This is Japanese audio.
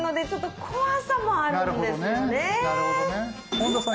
本田さん